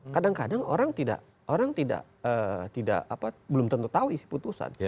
kadang kadang orang belum tentu tahu isi putusan